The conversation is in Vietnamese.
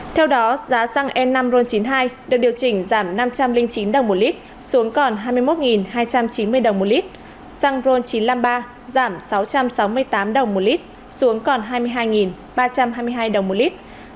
theo đó giá xăng e năm ron chín mươi hai được điều chỉnh giảm năm trăm linh chín đồng một lít xuống còn hai mươi một hai trăm chín mươi đồng một lít